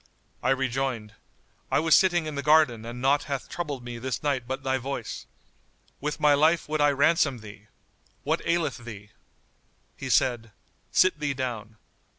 I rejoined, "I was sitting in the garden and naught hath troubled me this night but thy voice. With my life would I ransom thee! What aileth thee?" He said, "Sit thee down."